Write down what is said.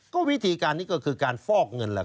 ก็วิธีการนี้ก็คือการฟอกเงินแหละ